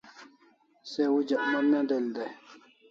Se ujak mon ne del dai